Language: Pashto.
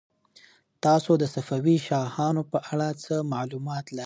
تاسو د صفوي شاهانو په اړه څه معلومات لرئ؟